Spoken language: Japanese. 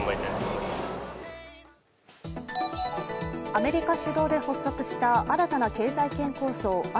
アメリカ主導で発足した新たな経済圏構想